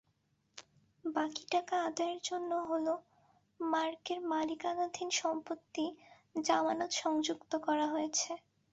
বাকি টাকা আদায়ের জন্য হল-মার্কের মালিকানাধীন সম্পত্তি জামানত সংযুক্ত করা হয়েছে।